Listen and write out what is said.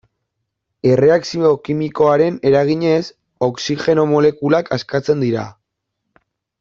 Erreakzio kimikoaren eraginez, oxigeno molekulak askatzen dira.